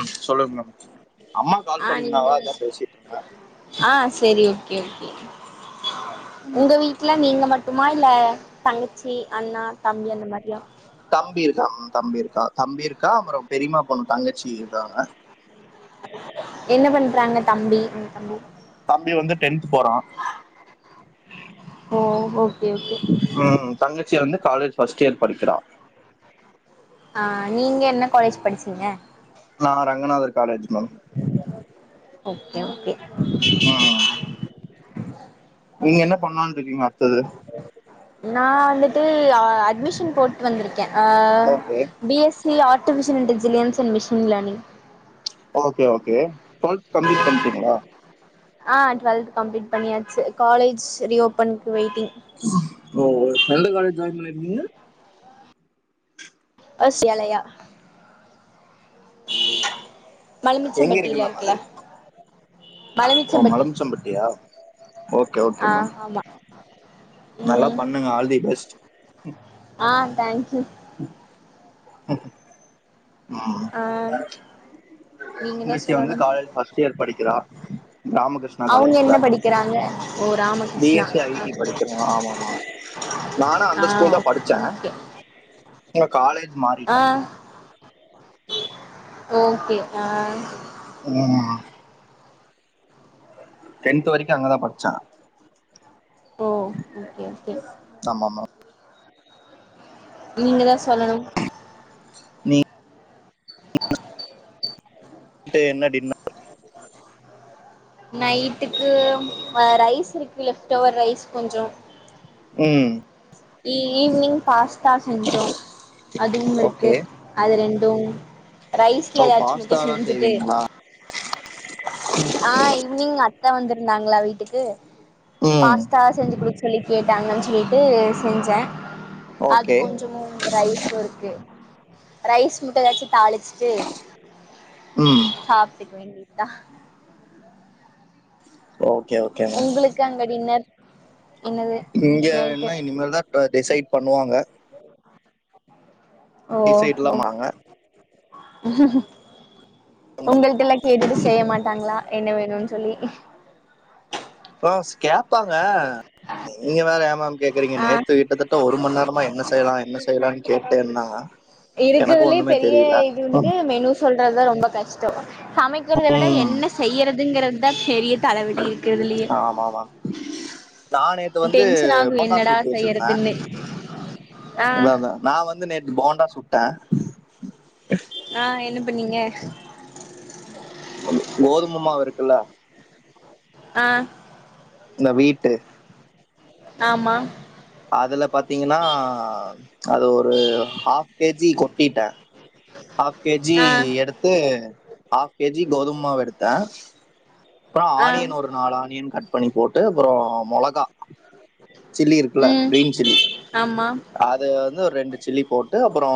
அ சொல்லுங் மேம் அம்மா கால் ஆ நீங்க பண்ணிந்தாங்க தா அதா பேசிட்ருந்த ஆ செரி ஓகே ஓகே உங்க வீட்ல நீங்க மட் ட்டுமா இல்ல தங்கச்சி அண்ணா தம்பி அந்த மாரிலா தம்பி இருக்கா தம்பி இருக்கா தம்பி இருக்கா அப்றம் பெரிம்மா பொண்ணு தங்கச்சி இருக்காங்க என்ன பண்றாங்க தம்பி உங் தம்பி தம்பி வந்து டென்த்து போறா ஓ ஓகே ஓகே ம் தங்கச்சி வந்து காலேஜ் ஃபர்ஸ்ட் இயர் படிக்கிறா ஆ நீங்க என்ன காலேஜ் படிச்சீங்க நானா Ranganathar college ma'am okay okay ஆ நீங்க என்ன பண்லான்னு இருக்கீங்க அடுத்தது நா வந்துட்டு அட்மிஷன் போட்டு வந்திருக்கே ஆ okay B S C artificial intelligence and machine learning okay okay twelfth complete பண்ணிட்டீங்களா ஆ டுவெல்த் கம்ப்ளீட் பண்ணியாச்சு காலேஜ் ரீ ஓப்பன்க்கு வெயிட்டிங் ஓ எந்த காலேஜ் ஜாயின் பண்ணி இருக்கீங்க எஸ்யாலயா எங்க இருக்கு மலுமிச்சம்பட்டியில மேம் இருக்குல அது ஓ மலுமிச்சம்பட்டி மலம்சம்பட்டியா ஓகே ஓகே ஆ மேம் ஆமா நல்லா ம் பண்ணுங்க ஆல் தி பெஸ்ட் ஆ தேங்க்யூ ஆ நீங்க தா தங்கச்சி வந்து சொல்லணும் காலேஜ் ஃபஸ்ட் இயர் படிக்கிறா ராமகிருஷ்ணா காலேஜ்ல க்கிறாங்க ஓ ராமகிருஷ்ணா பிஎஸ்சி ஐடி படிக்கிறோம் ஆமா ஆ ஓ ச இப்ப காலேஜ் ஆ மாறிட்டே ஓகே ஆ [inaudible] டென்த் வரைக்கு அங்கதா படிச்சா ஓ ஓகே ஓகே ஆமா ஆமா நீங்கதா சொல்லணும் நீ [inaudible] ட்டு என்ன டின் நைட்டுக்கு ரைஸ் இருக்கு லெஃப்ட் ஓவர் ரைஸ் கொஞ்சோ ம் ஈ ஈவ்னிங் பாஸ்தா செஞ்சோ அதுவும் இருக்கு ஓகே அது ரெண்டும் ஓ ரைஸ்ல எதாச்சு பாஸ்தா மட்டு தான் செஞ்சிட்டு செய்வீங்களா ஆ ஈவ்னிங் அத்த வந்திருந்தாங்களா வீட்டுக்கு ம் பாஸ்தா செஞ்சு குடு சொல்லி கேட்டாங்கன்னு சொல்லிட்டு செஞ்சே அது ஓகே கொஞ்சோ ரைஸ்சு இருக்கு ரைஸ் முட்ட எதாச்சு தாளிச்சுட்டு ம் சாப்டுக்க வேண்டியதா ஓகே ஓகே மேம் க்கு அங்க டின்னர் என்னது இங்க நைட்டு என்ன இனிமேல்தா டிசைட் பண்ணுவாங்க ஓ ஓ டிசைட்லாம் வாங்க உங்கள்ட்ட எல்லா கேட்டுட்டு செய்ய மாட்டாங்களா என்ன வேணுன்னு சொல்லி ஆ ஸ் கேப்பாங்க நீங்க வேற ஏ மேம் கேக்குறீங்க ஆ நேத்து கிட்டத்தட்ட ஒரு மண் நேரமா என்ன செய்யலா என்ன செய்யலான்னு கேட்டே இருந்தாங்க எனக்கு ஒண்ணுமே தெரியல ஏ மெனு சொல்றதுதா ரொம்ப கஷ்டோ சமைக்கிறத விட ம் என்ன செய்யறதுங்கிறது தா பெரிய தலவலி இருக்குறதுலே ஆமா ஆமா நா நேத்து வந்து டென்ஷன் ஆகு போண்டா என்னடா சுட்டு வச்சிருந்தே செய்யறதுன்னு ஆ அதா அதா நா வந்து நேத்தி போண்டா சுட்டே ஆ என்ன பண்ணீங்க கோதும மாவு இருக்குல்ல ஆ இந்த வீட்டு ஆமா அதுல பாத்தீங்கன்னா அது ஒரு ஹாஃப் கேஜி கொட்டிட்டே ஹாஃப் கேஜி ஆ எடுத்து ஹாப் கேஜி கோதும மாவு எடுத்தே அப்புற ஆ ஆனியன் ஒரு நாலு ஆனியன் கட் பண்ணி போட்டு அப்புற மொளகா சில்லி இருக்குல ம் கிரீன் சில்லி ஆமா அது வந்து ஒரு ரெண்டு சில்லி போட்டு அப்புறோ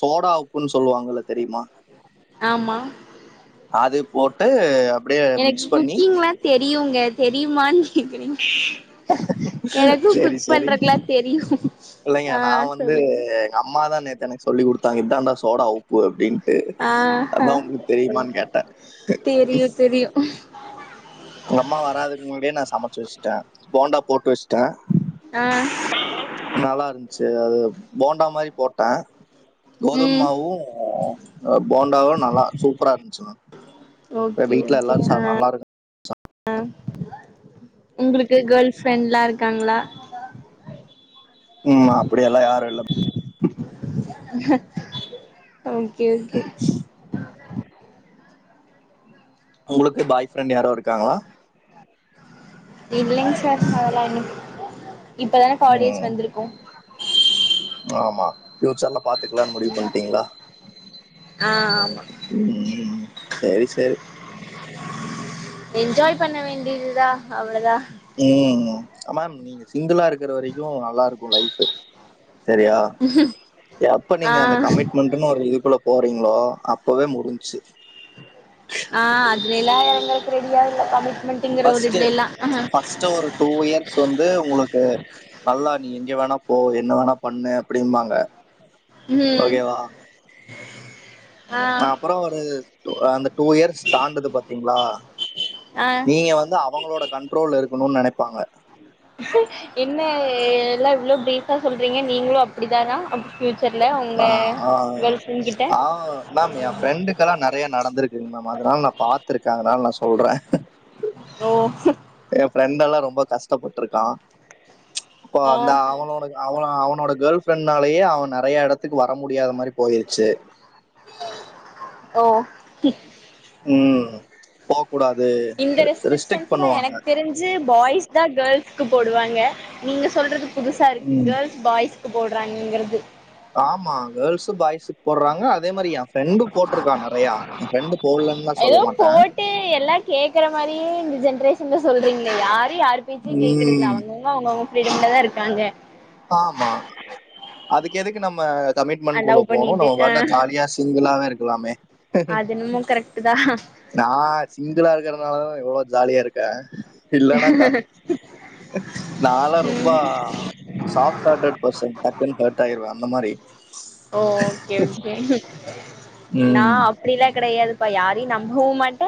சோடா உப்புன்னு சொல்லுவாங்கல்ல தெரியுமா ஆமா அது போட்டு அப்படியே எனக்கு மிக்ஸ் பண்ணி குக்கிங்ல்லா தெரியுங்க தெரியுமானு கேக்குறீங்க எனக்கு சரி குக் சரி பண்றக்குலா தெரியு ஆ சொல்லுங்க அம்மாதா நேத்து எனக்கு சொல்லி குடுத்தாங்க இதான்டா சோடா உப்பு அப்டின்னு ட்டு ஆ ஹா அதா உங்களுக்கு தெரியுமான்னு கேட்டே தெரியு [unintelligible] உங்க அம்மா வராதுக்கு முன்னடியே நான் சமைச்சு வெச்சுட்டே போண்டா போட்டு வெச்சுட்டே அ நல்லா இருந்துச்சு அது போண்டா மாரி போட்டே ம் கோதுமாவு போண்டாவு நல்லா சூப்பரா இருந்துச்சுங்க இப்ப ஓகே வீட்ல எல்லாரு ச நல்லா இருக்கு அ உங்களுக்கு கேர்ள் ஃப்ரெண்ட்லா இருக்காங்களா உம் அப்படியல்லா யாரு இல்ல ஓகே ஓகே உங்களுக்கு பாய் ஃப்ரெண்ட் யாரு இருக்காங்களா இல்லைங்க சார் அதெல்லா இல்ல இப்பதான காலேஜ் ம் வந்திருக்கோ ஆமா ஃபியூச்சர்ல பாத் த்துக்கலானு முடிவு பண்ணிட்டீங்களா ஆ ஆமா ம் சேரி சேரி என்ஜாய் பண்ண வேண்டியதுதா அவ்வளதா ம் ஆம நீங்க சிங்கிளா இருக்கிற வரைக்கு நல்லா இருக்கும் லைஃப் ஃபு சரியா எப்ப ஆ நீங்க அந்த கமிட்மென்ட் ன்னு ஒரு இதுக்குள்ள போறீங்களோ அப்பவே முடிஞ்ச்சு ஆ அதுலெல்லா எங்களுக்கு ரெடியா இல்ல கமிட்மெண்ட்டுங்குற ஒரு ஃபர்ஸ்ட் இதுலெல்லா ஃபர்ஸ்ட் ஒரு டூ இயர்ஸ் வந்து உங்களுக்கு நல்லா நீ எங்க வேணா போ என்ன வேணா பண்ணு அப்படிம்பாங்க ம் ஓகேவா ஆ அப்பறோ ஒரு அந்த டூ இயர்ஸ் தாண்டுது பாத்தீங்களா ஆ நீங்க வந்து அவங்களோட கண்ட்ரோல்ல இருக்கணு நெனைப்பாங்க என்ன எல்லா இவ்ளோ பிரீஃபா சொல்றீங்க நீங்களு அப்டிதானா ஃபியூச்சர்ல உங்க ஆ ஆ கேர்ள் ஃப்ரெண்ட் கிட்ட ஆ மேம் எ ஃப்ரெண்டுக்கெல்லா நறைய நடந்திருக் செரி மேம் அதனால நா பாத்திருக்க அதனால நா சொல்ற ஓ எ ஃப்ரெண்டெல்லா ரொம்ப கஷ்ட்டப்பட்ருக்கா இப்ப ஆ அந்த அவ ஒனக்கு அவள அவனோட கேள் ஃப்ரெண்ட்னாலேயே அவ நறைய எடத்துக்கு வர முடியாத மாரி போயிருச்சு ஓ ம் போ கூடாது ரிஸ்டெக்ட் பண்ணுவாங்க ச்சி பாய்ஸ் தா கேர்ள்ஸ்க்கு போடுவாங்க நீங்க சொல்றது புதுசா இருக்கு ம் கேர்ள்ஸ் பாய்ஸ்க்கு போடுறாங்கங்கிறது ஆமா கேர்ள்ஸ் பாய்ஸ்க்கு போடுறாங்க அதே மாரி‌ எ ஃப்ரெண்டு போட்டுருக்கா நறையா எ ஃப்ரெண்டு போடலன்லா சொல்ல ஏதோ மாட்ட போட்டு எல்லா கேக்குற மாரியே இந்த ஜென்ரேஷன்ல சொல்றீங்ளே யாரு யாரு பேச்சயு கேக்குறதுல ம் அவங் க அவுங்க அவுங்க ஃப்ரீடம்லா தா இருக்காங்க ஆமா அதுக் எதுக்கு நம்ம அ கமிட்மெண்ட்குள்ள லவ் போணு பண்ணிட்டு நம்ம ஆ பாட்ல ஜாலியா சிங்கிளாவே இருக்கலாமே அது என்னமோ கரெக்ட்டு தா நா சிங்கிளா இருக்கறதுனாலதா இவ்ளோ ஜாலியா இருக்க இல்லானாக்கா நாலா ரொம்ப ம் சாஃப்ட் ஹாட்டடு பர்சன் டக்குன் ஹர்ட் ஆயிருவ அந்த மாரி ஓகே ம் அப்டில கெடையாதுப்பா யாரையு நம்பவு மாட்ட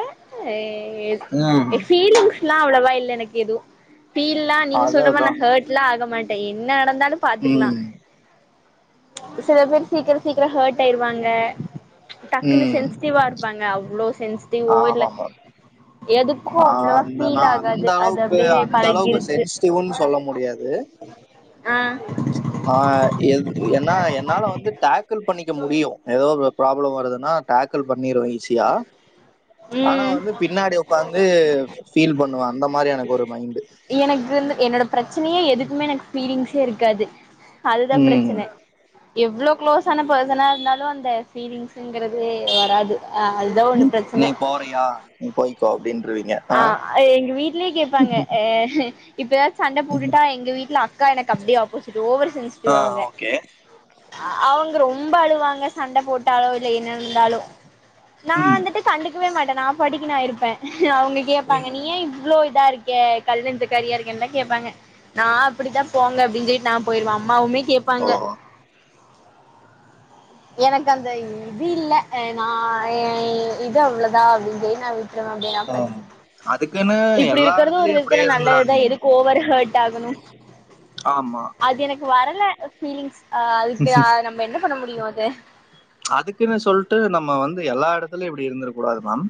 ம் எ ஃபீலிங்ஸ் லா அவ்ளோவா இல்ல எனக்கு எது ஃபீல்லா நீங்க சொல்ற அதான் மாரி நா அதான். ஹர்ட்ல்லா ஆக மாட்ட என்ன நடந்தாலு பாத்துக்கலா ம் சில பேர் சீக்கிரோ சீக்கிரோ ஹர்ட் ஆயிருவாங்க டக்குன்னு ம் சென்சிட்டிவா இருப்பாங்க அவ்ளோ சென்சிட்டிவோ இல்ல எது ஆ அந்தனா அந்த அந்த அளவுக்கு அப்டியே அந்த அளவுக்கு பழகிருச்சு சென்சிட்டிவ்ன்னு சொல்ல முடியாது ஆ ஆ எது எனா என்னால வந்து டேக்கிள் பண்ணிக்க முடியு ஏதோ ஒரு ப்ராப்ளம் வருதுன்னா டேக்கல் பண்ணிருவ ஈஸியா ஆனா ம் வந்து பின்னாடி ஒக்காந்து ஃபீல் பண்ணுவ அந்த மாரி எனக்கு ஒரு மைண்ட் எனக்குந்து என்னோட பிரச்சனையே எதுக்குமே எனக்கு ஃபீலிங்ஸே இருக்காது அதுதா ம் பிரச்சன எவ்ளோ க்ளோஸ் ஆன பேர்சனா இருந்தாலு அந்த ஃபீலிங்ஸுங்குறது வராது அ ஒன்னு நீ பிரச்சன போறியா நீ போய்கோ அப்டின்றுவீங்க ஆ எங்க வீட்லயே கேப்பாங்க அ இப்ப எதாது சண்ட ம். போட்டுட்டா எங்க வீட்ல அக்கா எனக்கு அப்டியே ஆப்போசிட் ஓவர் சென்சிட்டிவ் ஆ அவுங்க ஓகே அவுங்க ரொம்ப அழுவாங்க சண்ட போட்டாலோ இல்ல என்ன இருந்தாலு நா ம் வந்துட்டு கண்டுக்கவே மாட்ட நா பாட்டுக்கு நா இருப்ப அவுங்க கேப்பாங்க ம். நீ ஏ இவ்ளோ இதா இருக் க கல் நெஞ்ச காரியா இருக்கன்லா கேப்பாங்க நா அப்படித்தா போங்க அப்டின்னு சொல்லிட்டு நா போயிருவ அம்மாவுமே ஓ கேப்பாங்க எனக்கு அந்த இது இல்ல நா எ இது அவ்ளோதா அப்டின் சொல்லி நா விட் ருவ அப்டே நா ஆ. பாட்டிக்கி அதுக்குன்னு இப்புடி எல்லா இருக்குறது ஒரு இடத்துலயும் இப்படியே விதத்துல நல்லதுதா இருந்துடாதீங்க எது ஓவர் ஹட் ஆகணு ஆமா அது எனக்கு வரல ஃபீலிங்ஸ் அ அதுக்கு நம்ம என்ன பண்ண முடியு அது அதுக்குன்னு சொல்ட்டு நம்ம வந்து எல்லா எடத்துலயு இப்டி இருந்திட கூடாது மேம்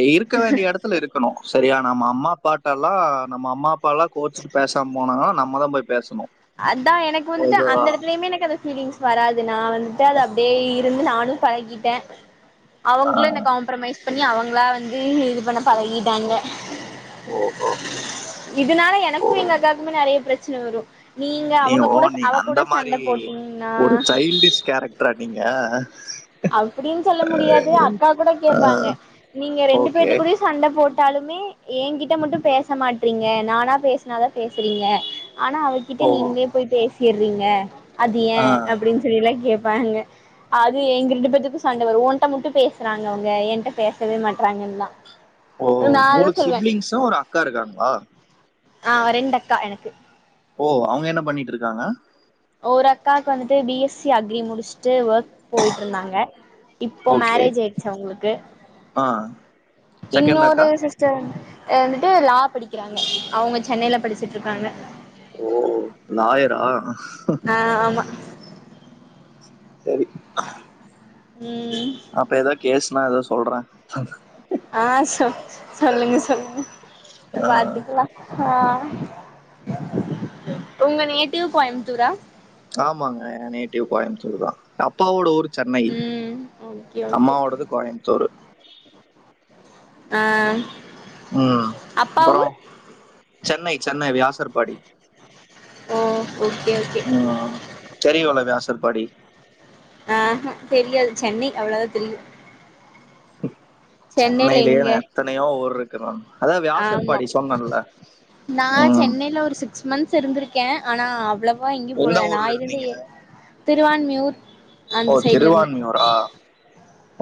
எ இருக்க வேண்டிய எடத்துல இருக்கணு சரியா நம்ம அம்மா பாட்டல்லா நம்ம அம்மா அப்பால்லா கோச்சிட்டு பேசாம போனா நம்ம தா போய் பேசணு அதா எனக்கு வந்துட்டு அந்த எடத்துலயுமே எனக்கு அது ஃபீலிங்ஸ் வராது நா வந்துட்டு அது அப்டியே இருந்து நானும் பழகிட்டே அவங்களு என்ன ஆஹ் காம்ப்ரமைஸ் பண்ணி அவங்களா வந்து இது பண்ண பழகிட்டாங்க ஓஹோ இதனால ஓ எனக்கு எங்க அக்காக்குமே நெறைய பிரச்சன வரு நீங்க நீ அவங்க ஓ கூட நீ அவ அந்த கூட மாதிரி சண்ட போட்டீங்ன்னா ஒரு சைல்டிஷ் கேரக்டரா நீங்க அப்டின் சொல்ல முடியாது அக்கா கூட கேப்பாங்க நீங்க ரெண்டு ஓகே பேத்து கூடயு சண்ட போட்டாலுமே எ கிட்ட மட்டு பேச மாட்றீங்க நானா பேசினாதா பேசுறீங்க ஆனா அவ கிட்ட ஓ நீங்களே போய் பேசிறீங்க அது ஏ ஆஹ் அப்டின் சொல்லிலா கேப்பாங்க அது எங்க ரெண்டு பேத்துக்கு சண்ட வரு ஒன்ட்ட மட்டு பேசுறாங்க அவுங்க என்ட பேசவே மாட்டறாங்கன்லா ஓ மூனு சிப்லிங்சு ஒரு அக்கா இருக்காங்ளா ஆ ரெண்டக்கா எனக்கு ஓ அவுங்க என்ன பண்ணிட் இருக்காங்க ஓர் அக்காக்கு வந்து பி எஸ் சி அக்ரி முடிச்ட்டு ஒர்க் போய்ட்டு இருந்தாங்க இப்போ ஓகே மேரேஜ் ஆயி்டுச்சு அவுங்ளுக்கு ஆ செகண்ட் அக்கா இன்னொரு சிஸ் டர் வந்துட்டு லா படிக்கிறாங்க அவங்க சென்னைல படிச்சிட்டு இருக்காங்க ஓ நாயரா அ ஆமா சரி ம் அப்ப ஏதா கேசுனா ஏதோ சொல்றே ஆ சொ சொல்லுங்க சொல்லுங்க ஆஹ் பாத்துக்லா ஆ உங்க நேட்டிவ் கோயம்புத்தூரா ஆமாங்க எ நேட்டிவ் கோயம்புத்தூர் தா அப் அப்பாவோட ஊர் சென்னை ம் ஓகே ஓகே அம்மாவோடது கோயம்புத்தூரு ஆ ம் அப்பா அப்றோ ஊர் சென்னை சென்னை வியாசர்பாடி ஓ ஓகே ஓ ஆ தெரியுல வியாசர்பாடி அஹா தெரியாது சென்னை அவ்ளதா தெரியு சென்னையில சென்னையிலியே எங்க எத்தனையோ ஊர் இருக்கு அதா ஆமா வியாசர்பாடி சொன்னன்ல நா சென்னைல ஒரு சிக்ஸ் மந்த் இருந்திருக்கே ஆனா அவ்ளவா எங்கயு எந்த போனதில்ல நா ஊர்ல இருந்த இருந்தீங்க? ஏ திருவான்மியூர் ஓ அந்த சைட்ல இருந்தே திருவான்மியூரா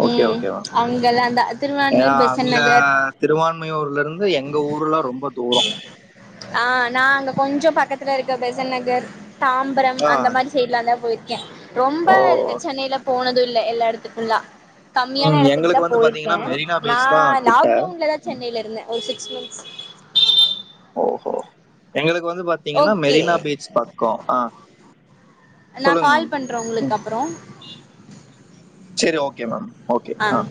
ம் அங்கதா ந்த திருவா ஏ அங்க திருவான்மியூர்ல இருந்து எங்க ஊர்லா ரொம்ப துரோ ஆ நா அங்க கொஞ்சோ பக்கத்துல இருக்க பெசன் நகர் தாம்பரம் ஆ. அந்த மாரி சைட்லா தா போயிருக்கே ரொம்ப ஓ! சென்னைல போனது இல்ல எல்லா இடத்துக்குல்லா கம்மியான ம். இடத்துக்குதா எங்களுக்கு வந்து போயிருக்கே பாத்தீங்கன்னா மெரினா நா பீச் தான் கிட்ட. லாக்டவுன்லதா சென்னையில இருந்தே ஒரு சிக்ஸ் மந்த்ஸ் ஓ ஹு எங்களுக்கு வந்து பாத் தீங்கன்னா ஓகே மெரினா பீச் பக்கோ ஆ நா சொல்லுங்க மேம் கால் பண்றே உங்களுக்கு ம். அப்புறோ செரி ஓகே மேம் ஓகே ஆ